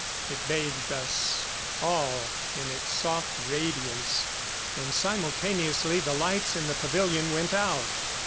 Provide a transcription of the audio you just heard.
It bathed us all in its soft radiance; and, simultaneously, the lights in the pavilion went out.